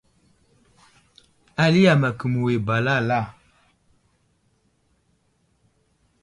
Ali yam akumiyo ba lala.